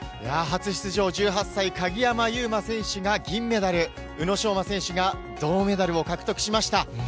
初出場、１８歳、鍵山優真選手が銀メダル、宇野昌磨選手が銅メダルを獲得しました。